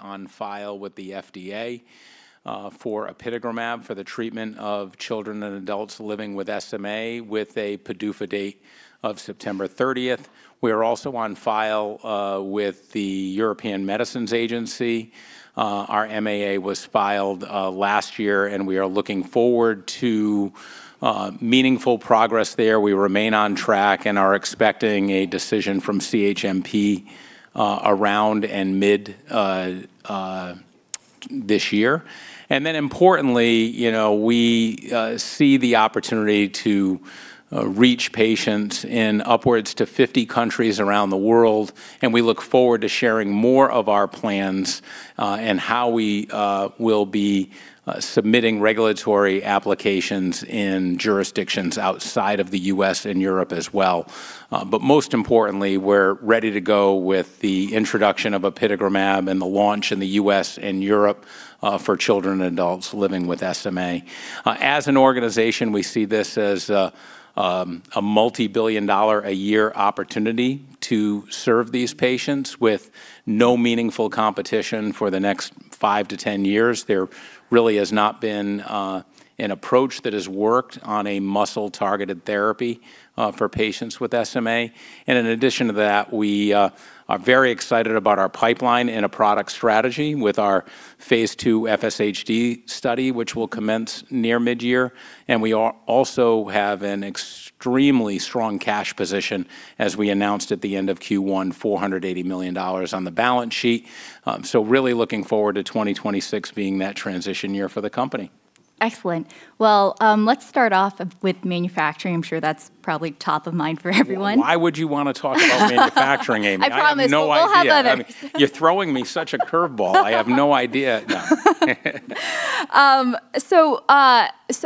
On file with the FDA for apitegromab for the treatment of children and adults living with SMA, with a PDUFA date of September 30th. We are also on file with the European Medicines Agency. Our MAA was filed last year, and we are looking forward to meaningful progress there. We remain on track and are expecting a decision from CHMP around and mid this year. Importantly, we see the opportunity to reach patients in upwards to 50 countries around the world, and we look forward to sharing more of our plans and how we will be submitting regulatory applications in jurisdictions outside of the U.S. and Europe as well. Most importantly, we're ready to go with the introduction of apitegromab and the launch in the U.S. and Europe for children and adults living with SMA. As an organization, we see this as a multibillion-dollar a year opportunity to serve these patients with no meaningful competition for the next five to 10 years. There really has not been an approach that has worked on a muscle-targeted therapy for patients with SMA. In addition to that, we are very excited about our pipeline and a product strategy with our phase II FSHD study, which will commence near mid-year. We also have an extremely strong cash position as we announced at the end of Q1, $480 million on the balance sheet. Really looking forward to 2026 being that transition year for the company. Excellent. Well, let's start off with manufacturing. I'm sure that's probably top of mind for everyone. Why would you want to talk about manufacturing, Amy? I promise we will have. I have no idea. You're throwing me such a curve ball. I have no idea. No.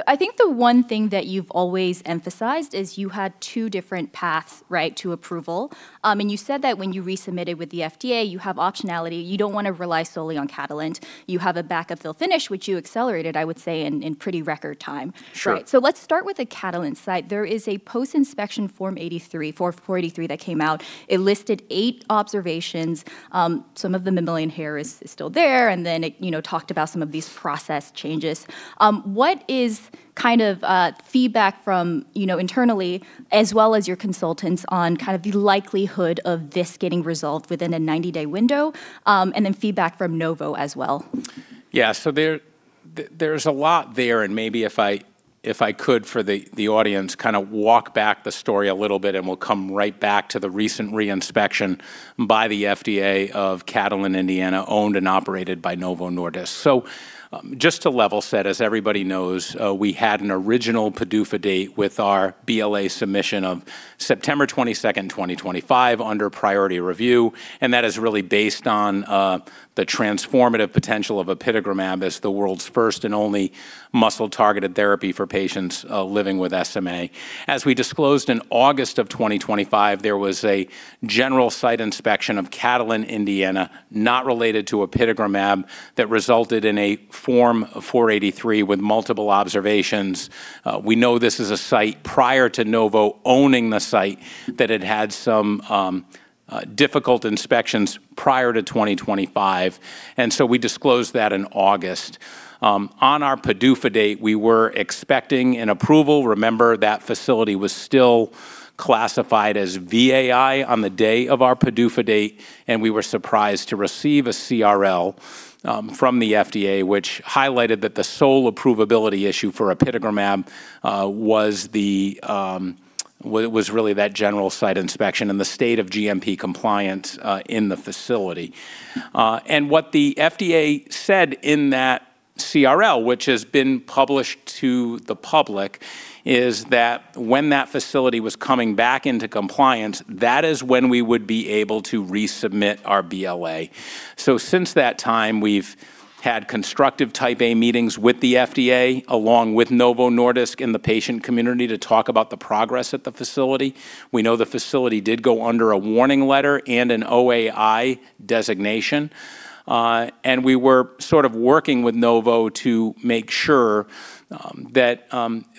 I think the one thing that you've always emphasized is you had two different paths to approval. You said that when you resubmitted with the FDA, you have optionality. You don't want to rely solely on Catalent. You have a backup fill finish, which you accelerated, I would say, in pretty record time. Sure. Let's start with the Catalent site. There is a post-inspection Form 483 that came out. It listed 8 observations, some of them a mammalian hair is still there, and then it talked about some of these process changes. What is feedback from internally as well as your consultants on the likelihood of this getting resolved within a 90-day window, and then feedback from Novo as well? Yeah. There's a lot there, and maybe if I could, for the audience, walk back the story a little bit, and we'll come right back to the recent re-inspection by the FDA of Catalent, Indiana, owned and operated by Novo Nordisk. Just to level set, as everybody knows, we had an original PDUFA date with our BLA submission of September 22nd, 2025, under priority review, and that is really based on the transformative potential of apitegromab as the world's first and only muscle-targeted therapy for patients living with SMA. As we disclosed in August of 2025, there was a general site inspection of Catalent, Indiana, not related to apitegromab, that resulted in a Form 483 with multiple observations. We know this is a site prior to Novo owning the site that had had some difficult inspections prior to 2025, and so we disclosed that in August. On our PDUFA date, we were expecting an approval. Remember, that facility was still classified as VAI on the day of our PDUFA date. We were surprised to receive a CRL from the FDA, which highlighted that the sole approvability issue for apitegromab was really that general site inspection and the state of GMP compliance in the facility. What the FDA said in that CRL, which has been published to the public, is that when that facility was coming back into compliance, that is when we would be able to resubmit our BLA. Since that time, we've had constructive Type A meetings with the FDA, along with Novo Nordisk and the patient community, to talk about the progress at the facility. We know the facility did go under a warning letter and an OAI designation. We were sort of working with Novo to make sure that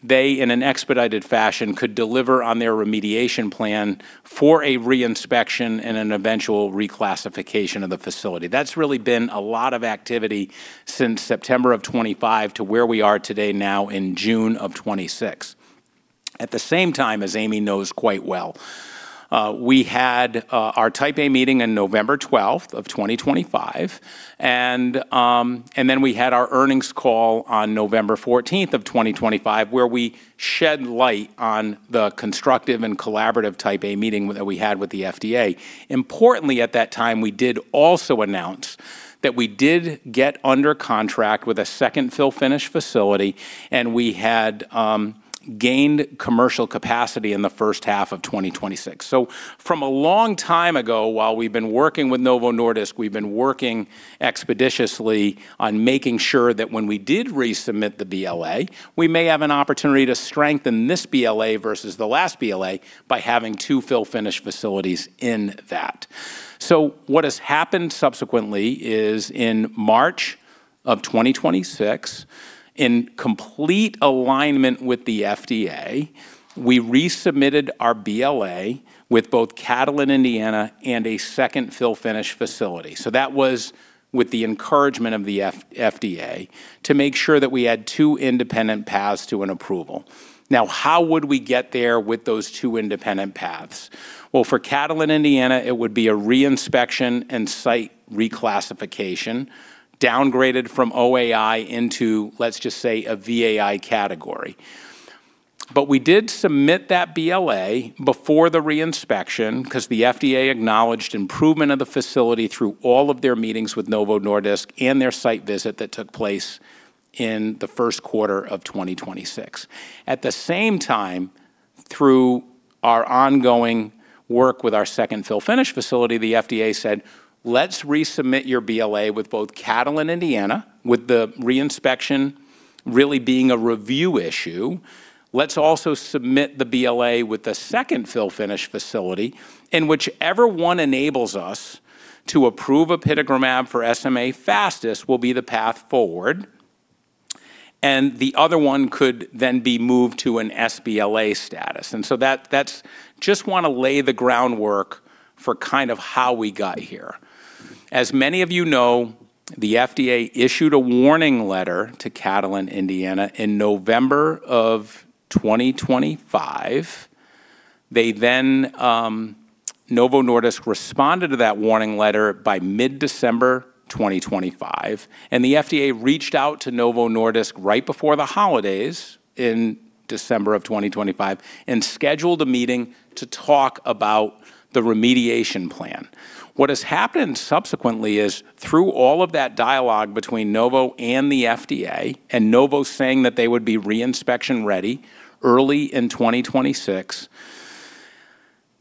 they, in an expedited fashion, could deliver on their remediation plan for a re-inspection and an eventual reclassification of the facility. That's really been a lot of activity since September of 2025 to where we are today now in June of 2026. At the same time, as Amy knows quite well, we had our Type A meeting in November 12th of 2025, and then we had our earnings call on November 14th of 2025, where we shed light on the constructive and collaborative Type A meeting that we had with the FDA. Importantly, at that time, we did also announce that we did get under contract with a second fill finish facility, and we had gained commercial capacity in the first half of 2026. From a long time ago, while we've been working with Novo Nordisk, we've been working expeditiously on making sure that when we did resubmit the BLA, we may have an opportunity to strengthen this BLA versus the last BLA by having two fill-finish facilities in that. What has happened subsequently is in March of 2026, in complete alignment with the FDA, we resubmitted our BLA with both Catalent, Indiana, and a second fill-finish facility. That was with the encouragement of the FDA to make sure that we had two independent paths to an approval. How would we get there with those two independent paths? For Catalent, Indiana, it would be a re-inspection and site reclassification, downgraded from OAI into, let's just say, a VAI category. We did submit that BLA before the re-inspection because the FDA acknowledged improvement of the facility through all of their meetings with Novo Nordisk and their site visit that took place in the Q1 of 2026. At the same time, through our ongoing work with our second fill-finish facility, the FDA said, "Let's resubmit your BLA with both Catalent, Indiana, with the re-inspection really being a review issue. Let's also submit the BLA with the second fill-finish facility, and whichever one enables us to approve apitegromab for SMA fastest will be the path forward, and the other one could then be moved to an sBLA status." Just want to lay the groundwork for how we got here. As many of you know, the FDA issued a warning letter to Catalent, Indiana, in November of 2025. Novo Nordisk responded to that warning letter by mid-December 2025, and the FDA reached out to Novo Nordisk right before the holidays in December of 2025 and scheduled a meeting to talk about the remediation plan. What has happened subsequently is through all of that dialogue between Novo and the FDA, and Novo saying that they would be re-inspection ready early in 2026,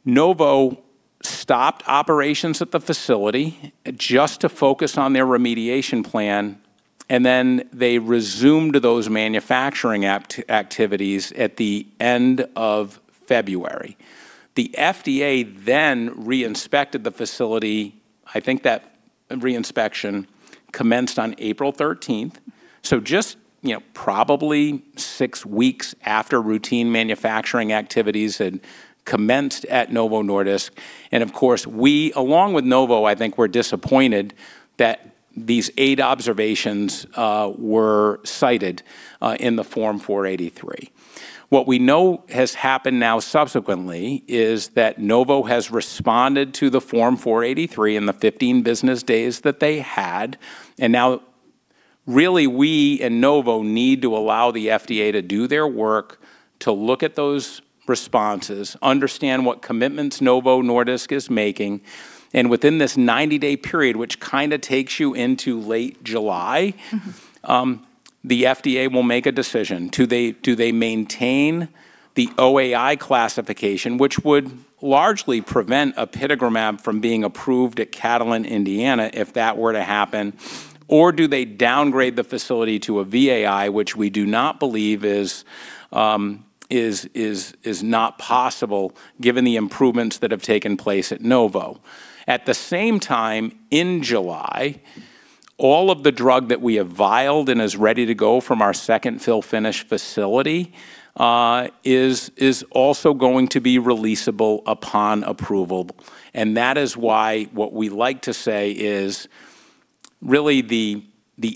Novo stopped operations at the facility just to focus on their remediation plan, and then they resumed those manufacturing activities at the end of February. The FDA re-inspected the facility. I think that re-inspection commenced on April 13th, so just probably six weeks after routine manufacturing activities had commenced at Novo Nordisk. Of course, we, along with Novo, I think, were disappointed that these eight observations were cited in the Form 483. What we know has happened now subsequently is that Novo has responded to the Form 483 in the 15 business days that they had. Now really we and Novo need to allow the FDA to do their work, to look at those responses, understand what commitments Novo Nordisk is making, and within this 90-day period, which kind of takes you into late July, the FDA will make a decision. Do they maintain the OAI classification, which would largely prevent apitegromab from being approved at Catalent, Indiana, if that were to happen, or do they downgrade the facility to a VAI, which we do not believe is not possible given the improvements that have taken place at Novo. At the same time, in July, all of the drug that we have vialed and is ready to go from our second fill-finish facility is also going to be releasable upon approval. That is why what we like to say is really the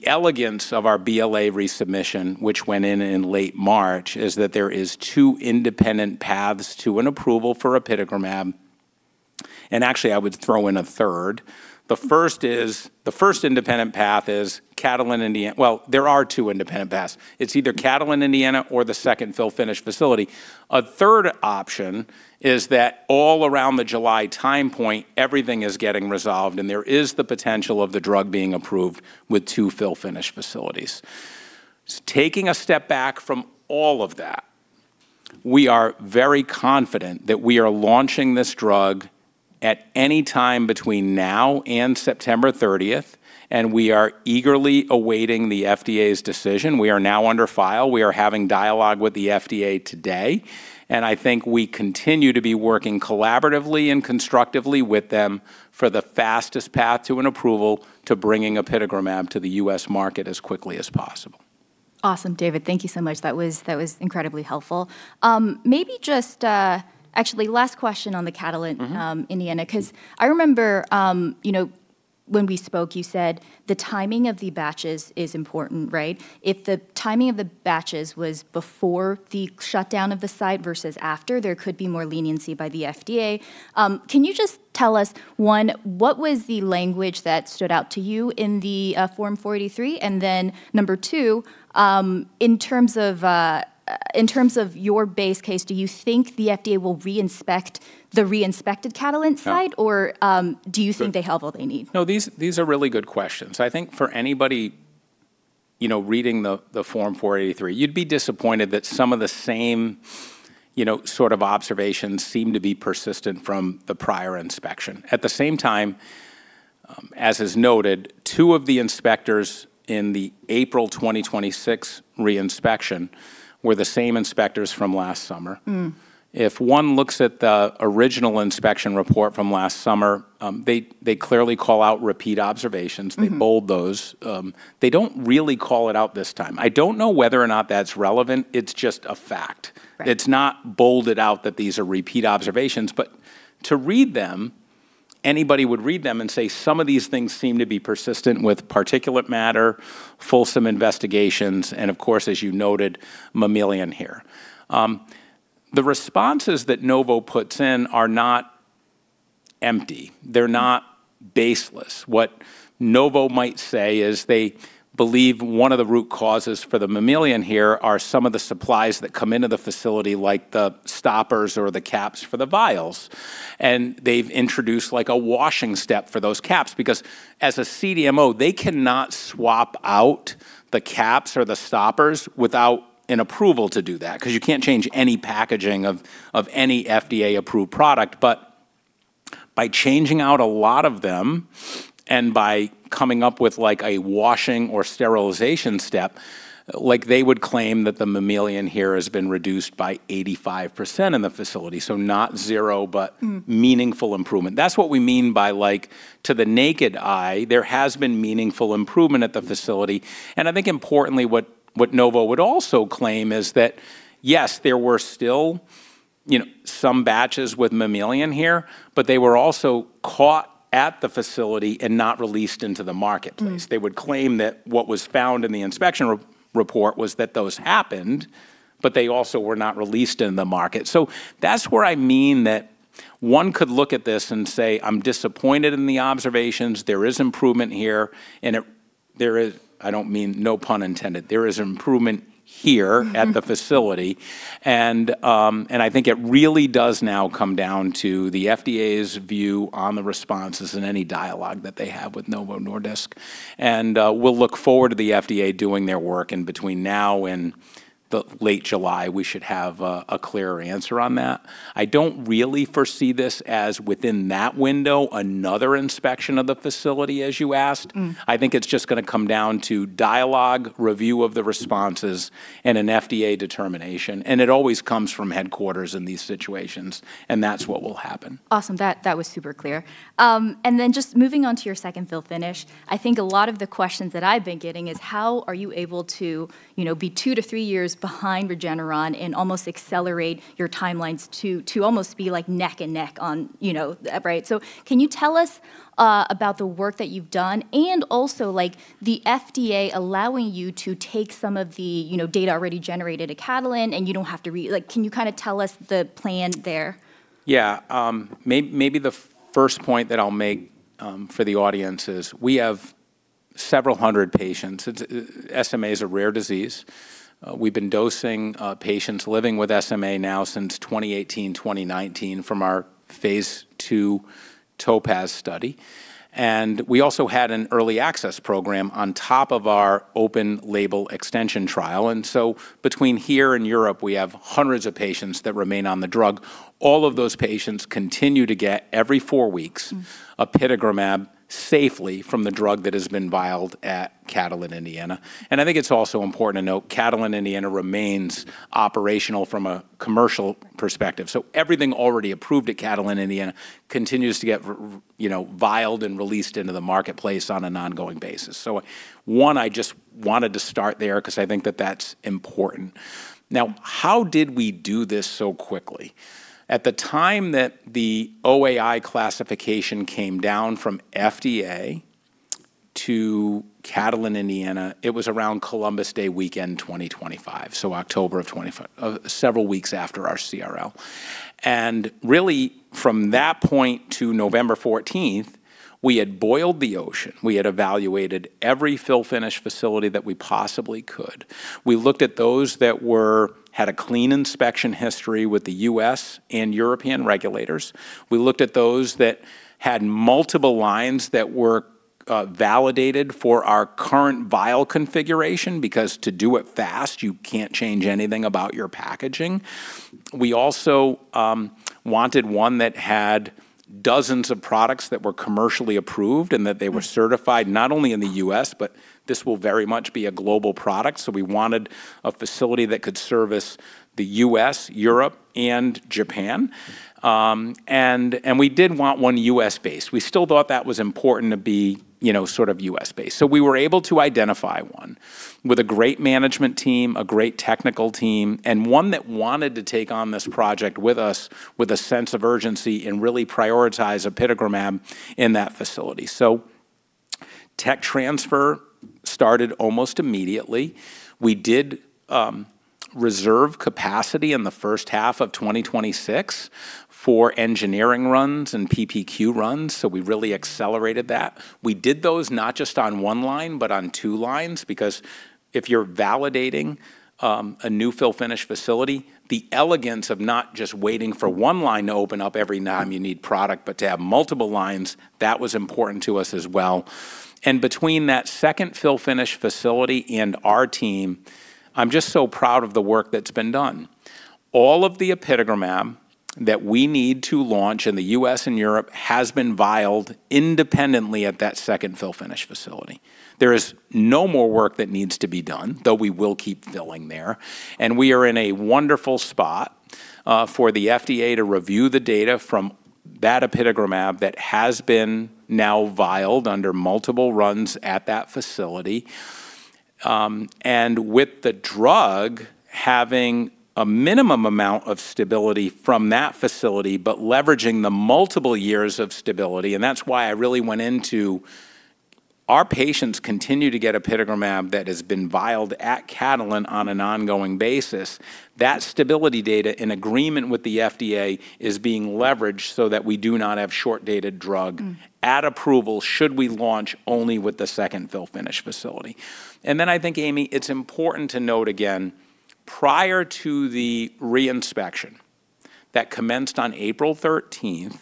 elegance of our BLA resubmission, which went in in late March, is that there is two independent paths to an approval for apitegromab, and actually I would throw in a third. There are two independent paths. It's either Catalent, Indiana, or the second fill-finish facility. A third option is that all around the July time point, everything is getting resolved, and there is the potential of the drug being approved with two fill-finish facilities. Taking a step back from all of that, we are very confident that we are launching this drug at any time between now and September 30th, and we are eagerly awaiting the FDA's decision. We are now under file. We are having dialogue with the FDA today, and I think we continue to be working collaboratively and constructively with them for the fastest path to an approval to bringing apitegromab to the U.S. market as quickly as possible. Awesome, David. Thank you so much. That was incredibly helpful. Last question on the Catalent, Indiana, because I remember when we spoke, you said the timing of the batches is important, right? If the timing of the batches was before the shutdown of the site versus after, there could be more leniency by the FDA. Can you just tell us, one, what was the language that stood out to you in the Form 483? Number 2, in terms of your base case, do you think the FDA will re-inspect the re-inspected Catalent site, or do you think they have all they need? No, these are really good questions. I think for anybody reading the Form 483, you'd be disappointed that some of the same sort of observations seem to be persistent from the prior inspection. At the same time, as is noted, two of the inspectors in the April 2026 re-inspection were the same inspectors from last summer. If one looks at the original inspection report from last summer, they clearly call out repeat observations. They bold those. They don't really call it out this time. I don't know whether or not that's relevant. It's just a fact. Right. It's not bolded out that these are repeat observations, but to read them, anybody would read them and say some of these things seem to be persistent with particulate matter, fulsome investigations, and of course, as you noted, mammalian hair. The responses that Novo puts in are not empty. They're not baseless. What Novo might say is they believe one of the root causes for the mammalian hair are some of the supplies that come into the facility, like the stoppers or the caps for the vials. They've introduced a washing step for those caps, because as a CDMO, they cannot swap out the caps or the stoppers without an approval to do that, because you can't change any packaging of any FDA-approved product. By changing out a lot of them, and by coming up with a washing or sterilization step, they would claim that the mammalian hair has been reduced by 85% in the facility. Not zero, but meaningful improvement. That's what we mean by like, to the naked eye, there has been meaningful improvement at the facility. I think importantly what Novo would also claim is that, yes, there were still some batches with mammalian hair, but they were also caught at the facility and not released into the marketplace. They would claim that what was found in the inspection report was that those happened, they also were not released in the market. That's where I mean that one could look at this and say, I'm disappointed in the observations. There is improvement here. I don't mean no pun intended at the facility. I think it really does now come down to the FDA's view on the responses and any dialogue that they have with Novo Nordisk. We'll look forward to the FDA doing their work. Between now and late July, we should have a clearer answer on that. I don't really foresee this as within that window, another inspection of the facility, as you asked. I think it's just going to come down to dialogue, review of the responses, and an FDA determination, and it always comes from headquarters in these situations, and that's what will happen. Awesome. That was super clear. Just moving on to your second fill finish. I think a lot of the questions that I've been getting is how are you able to be two to three years behind Regeneron and almost accelerate your timelines to almost be neck and neck on, right? Can you tell us about the work that you've done and also the FDA allowing you to take some of the data already generated at Catalent, and you don't have to like can you kind of tell us the plan there? Yeah. Maybe the first point that I'll make for the audience is we have several hundred patients. SMA is a rare disease. We've been dosing patients living with SMA now since 2018, 2019 from our phase II TOPAZ study. We also had an early access program on top of our open label extension trial. Between here and Europe, we have hundreds of patients that remain on the drug. All of those patients continue to get, every four weeks apitegromab safely from the drug that has been vialed at Catalent Indiana. I think it's also important to note, Catalent Indiana remains operational from a commercial perspective. Everything already approved at Catalent Indiana continues to get vialed and released into the marketplace on an ongoing basis. One, I just wanted to start there because I think that that's important. How did we do this so quickly? At the time that the OAI classification came down from FDA to Catalent Indiana, it was around Columbus Day weekend 2025, so October of 2025, several weeks after our CRL. Really, from that point to November 14th, we had boiled the ocean. We had evaluated every fill finish facility that we possibly could. We looked at those that had a clean inspection history with the U.S. and European regulators. We looked at those that had multiple lines that were validated for our current vial configuration, because to do it fast, you can't change anything about your packaging. We also wanted one that had dozens of products that were commercially approved and that they were certified not only in the U.S., but this will very much be a global product, so we wanted a facility that could service the U.S., Europe, and Japan. We did want one U.S.-based. We still thought that was important to be U.S.-based. We were able to identify one with a great management team, a great technical team, and one that wanted to take on this project with us with a sense of urgency and really prioritize apitegromab in that facility. Tech transfer started almost immediately. We did reserve capacity in the first half of 2026 for engineering runs and PPQ runs, so we really accelerated that. We did those not just on one line, but on two lines, because if you're validating a new fill-finish facility, the elegance of not just waiting for one line to open up every time you need product, but to have multiple lines, that was important to us as well. Between that second fill-finish facility and our team, I'm just so proud of the work that's been done. All of the apitegromab that we need to launch in the U.S. and Europe has been vialed independently at that second fill-finish facility. There is no more work that needs to be done, though we will keep filling there. We are in a wonderful spot for the FDA to review the data from that apitegromab that has been now vialed under multiple runs at that facility. With the drug having a minimum amount of stability from that facility, but leveraging the multiple years of stability, that's why I really went into our patients continue to get apitegromab that has been vialed at Catalent on an ongoing basis. That stability data, in agreement with the FDA, is being leveraged so that we do not have short-dated drug at approval should we launch only with the second fill-finish facility. I think, Amy, it's important to note again, prior to the re-inspection that commenced on April 13th,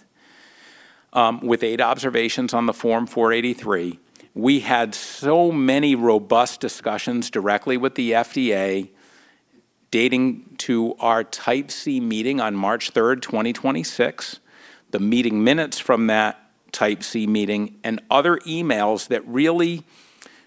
with 8 observations on the Form 483, we had so many robust discussions directly with the FDA dating to our Type C meeting on March 3rd, 2026. The meeting minutes from that Type C meeting and other emails that really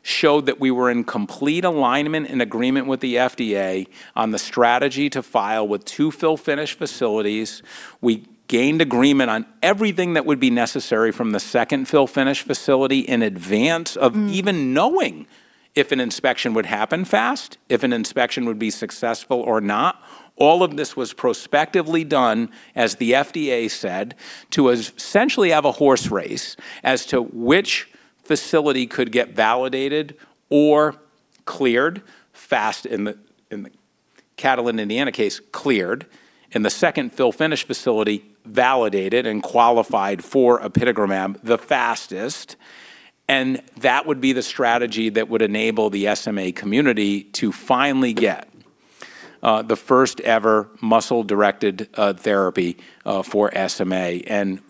showed that we were in complete alignment and agreement with the FDA on the strategy to file with two fill-finish facilities. We gained agreement on everything that would be necessary from the second fill-finish facility in advance of even knowing if an inspection would happen fast, if an inspection would be successful or not. All of this was prospectively done, as the FDA said, to essentially have a horse race as to which facility could get validated or cleared fast. In the Catalent Indiana case, cleared. In the second fill-finish facility, validated and qualified for apitegromab the fastest. That would be the strategy that would enable the SMA community to finally get the first ever muscle-directed therapy for SMA.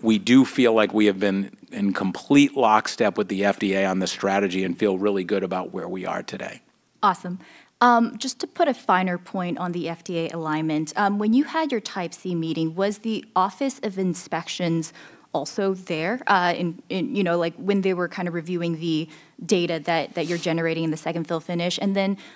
We do feel like we have been in complete lockstep with the FDA on this strategy and feel really good about where we are today. Awesome. Just to put a finer point on the FDA alignment, when you had your Type C meeting, was the Office of Inspections also there when they were reviewing the data that you're generating in the second fill-finish?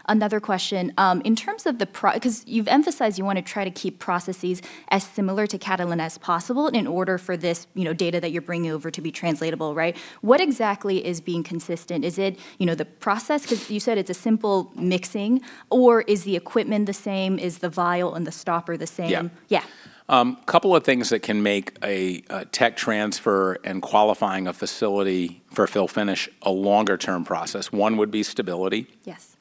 Another question, because you've emphasized you want to try to keep processes as similar to Catalent as possible in order for this data that you're bringing over to be translatable, right? What exactly is being consistent? Is it the process? You said it's a simple mixing, or is the equipment the same? Is the vial and the stopper the same? Yeah. Yeah. Couple of things that can make a tech transfer and qualifying a facility for fill-finish a longer-term process. One would be stability. Yes.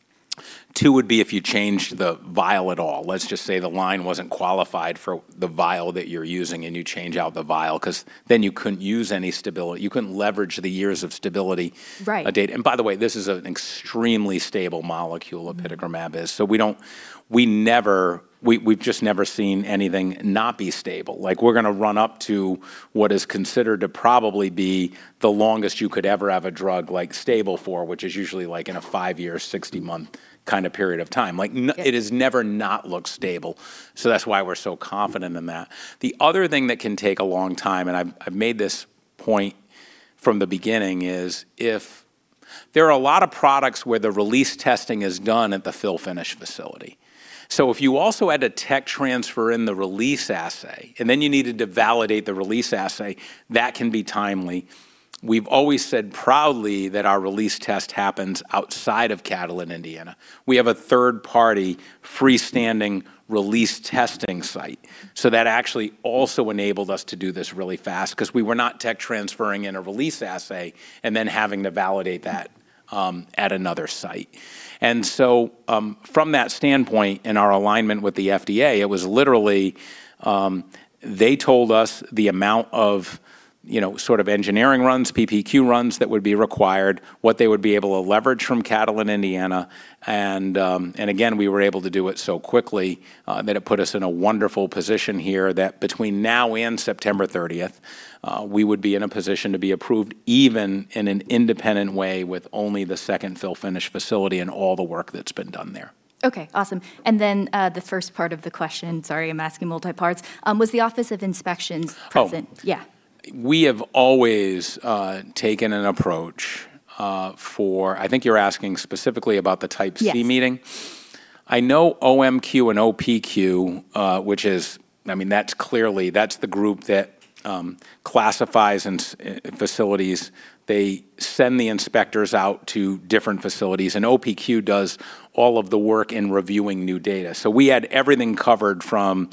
Two would be if you change the vial at all. Let's just say the line wasn't qualified for the vial that you're using, and you change out the vial because then you couldn't leverage the years of stability. Right By the way, this is an extremely stable molecule, apitegromab is. We've just never seen anything not be stable. We're going to run up to what is considered to probably be the longest you could ever have a drug stable for, which is usually in a five-year, 60-month kind of period of time. It has never not looked stable, that's why we're so confident in that. The other thing that can take a long time, I've made this point from the beginning, is if there are a lot of products where the release testing is done at the fill-finish facility. If you also had a tech transfer in the release assay, you needed to validate the release assay, that can be timely. We've always said proudly that our release test happens outside of Catalent Indiana. We have a third-party freestanding release testing site. That actually also enabled us to do this really fast because we were not tech transferring in a release assay and then having to validate that at another site. From that standpoint, in our alignment with the FDA, it was literally they told us the amount of engineering runs, PPQ runs that would be required, what they would be able to leverage from Catalent Indiana, and again, we were able to do it so quickly that it put us in a wonderful position here that between now and September 30th, we would be in a position to be approved even in an independent way with only the second fill-finish facility and all the work that's been done there. Okay. Awesome. The first part of the question, sorry, I'm asking multi parts. Was the Office of Inspections present? Oh. Yeah. We have always taken an approach. I think you're asking specifically about the Type C meeting. Yes. I know OMQ and OPQ, that's the group that classifies facilities. They send the inspectors out to different facilities, OPQ does all of the work in reviewing new data. We had everything covered from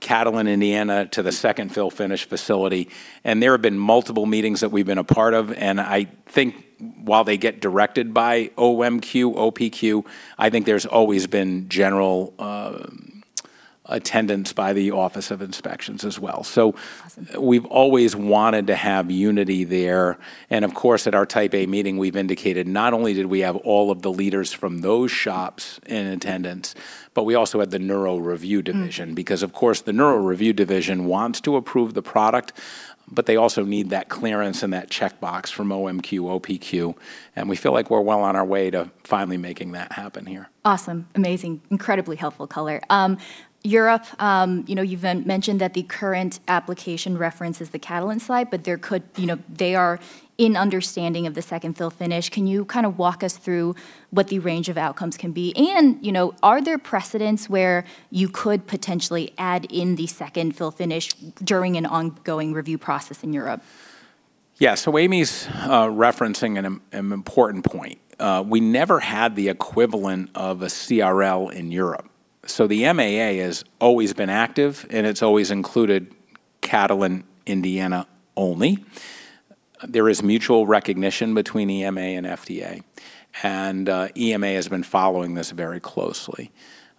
Catalent Indiana to the second fill-finish facility, there have been multiple meetings that we've been a part of, I think while they get directed by OMQ, OPQ, I think there's always been general attendance by the Office of Inspections as well. We've always wanted to have unity there, of course, at our Type A meeting, we've indicated not only did we have all of the leaders from those shops in attendance, but we also had the Division of Neurology. Of course, the Division of Neurology wants to approve the product, but they also need that clearance and that checkbox from OMQ, OPQ, and we feel like we're well on our way to finally making that happen here. Awesome. Amazing. Incredibly helpful color. Europe, you've mentioned that the current application references the Catalent site, but they are in understanding of the second fill-finish. Can you walk us through what the range of outcomes can be? Are there precedents where you could potentially add in the second fill-finish during an ongoing review process in Europe? Amy's referencing an important point. We never had the equivalent of a CRL in Europe. The MAA has always been active, and it's always included Catalent Indiana only. There is mutual recognition between EMA and FDA, and EMA has been following this very closely.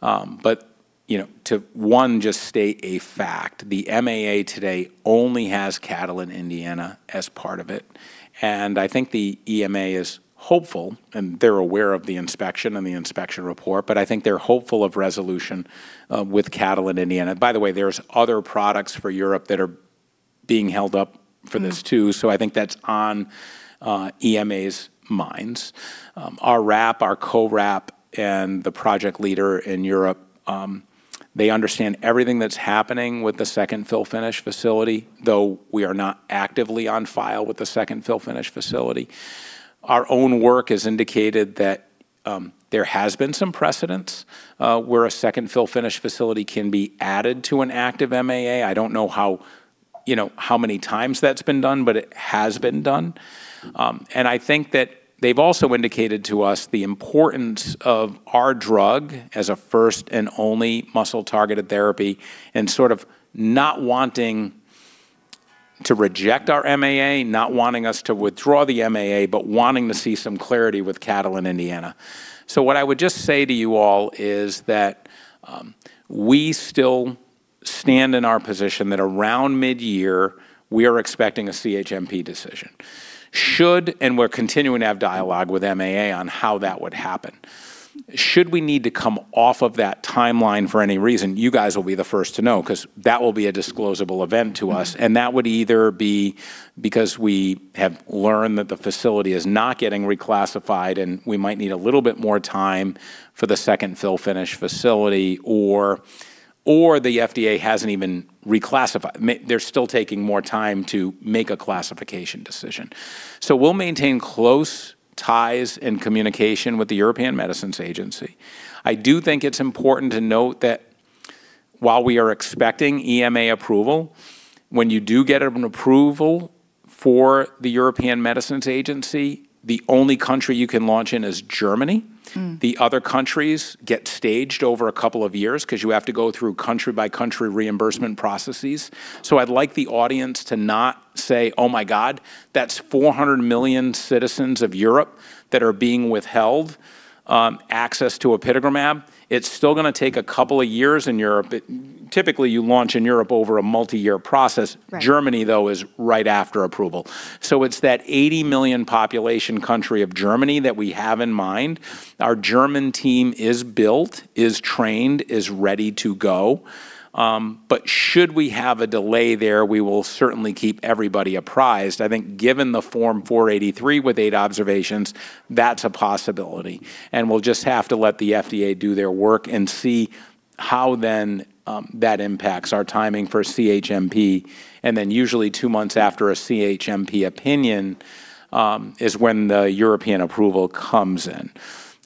To, one, just state a fact, the MAA today only has Catalent Indiana as part of it, and I think the EMA is hopeful, and they're aware of the inspection and the inspection report, but I think they're hopeful of resolution with Catalent Indiana. By the way, there's other products for Europe that are being held up for this too. I think that's on EMA's minds. Our RAP, our co-RAP, and the project leader in Europe, they understand everything that's happening with the second fill-finish facility, though we are not actively on file with the second fill-finish facility. Our own work has indicated that there has been some precedents where a second fill-finish facility can be added to an active MAA. I don't know how many times that's been done, but it has been done. I think that they've also indicated to us the importance of our drug as a first and only muscle-targeted therapy, and sort of not wanting to reject our MAA, not wanting us to withdraw the MAA, but wanting to see some clarity with Catalent Indiana. What I would just say to you all is that we still stand in our position that around mid-year, we are expecting a CHMP decision. We're continuing to have dialogue with MAA on how that would happen. Should we need to come off of that timeline for any reason, you guys will be the first to know because that will be a disclosable event to us. That would either be because we have learned that the facility is not getting reclassified and we might need a little bit more time for the second fill-finish facility, or the FDA hasn't even reclassified, they're still taking more time to make a classification decision. We'll maintain close ties and communication with the European Medicines Agency. I do think it's important to note that while we are expecting EMA approval, when you do get an approval for the European Medicines Agency, the only country you can launch in is Germany. The other countries get staged over a couple of years because you have to go through country-by-country reimbursement processes. I'd like the audience to not say, "Oh my god, that's 400 million citizens of Europe that are being withheld access to apitegromab ." It's still going to take a couple of years in Europe. Typically, you launch in Europe over a multi-year process. Right. Germany, though, is right after approval. It's that 80 million population country of Germany that we have in mind. Our German team is built, is trained, is ready to go. Should we have a delay there, we will certainly keep everybody apprised. I think given the Form 483 with eight observations, that's a possibility, and we'll just have to let the FDA do their work and see how then that impacts our timing for CHMP. Usually two months after a CHMP opinion is when the European approval comes in.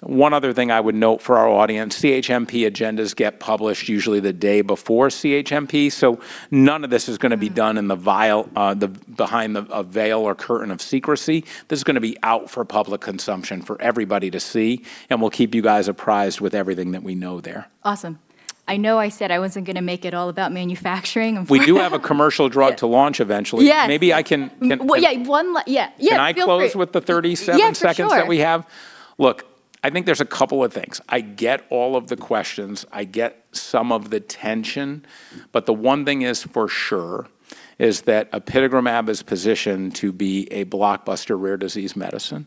One other thing I would note for our audience, CHMP agendas get published usually the day before CHMP, so none of this is going to be done behind a veil or curtain of secrecy. This is going to be out for public consumption for everybody to see, and we'll keep you guys apprised with everything that we know there. Awesome. I know I said I wasn't going to make it all about manufacturing We do have a commercial drug to launch eventually. Yes. Maybe I can- Well, yeah. Yeah. Yeah, feel free. Can I close with the 37 seconds that we have? Yeah, for sure. Look, I think there's a couple of things. I get all of the questions, I get some of the tension, the one thing is for sure is that apitegromab is positioned to be a blockbuster rare disease medicine.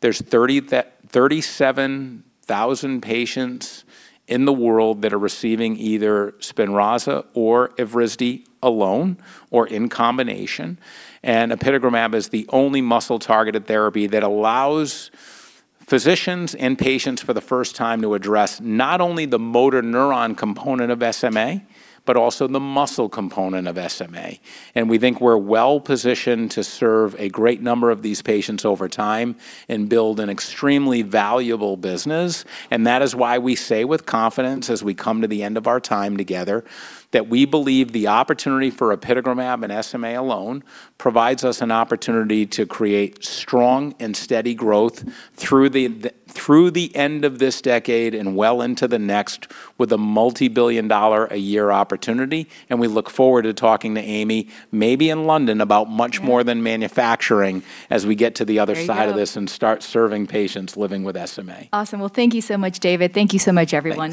There's 37,000 patients in the world that are receiving either Spinraza or Evrysdi alone or in combination, apitegromab is the only muscle-targeted therapy that allows physicians and patients for the first time to address not only the motor neuron component of SMA, but also the muscle component of SMA. We think we're well-positioned to serve a great number of these patients over time and build an extremely valuable business. That is why we say with confidence as we come to the end of our time together that we believe the opportunity for apitegromab and SMA alone provides us an opportunity to create strong and steady growth through the end of this decade and well into the next with a multi-billion dollar a year opportunity. We look forward to talking to Amy, maybe in London, about much more than manufacturing as we get to the other side of this and start serving patients living with SMA. Awesome. Thank you so much, David. Thank you so much, everyone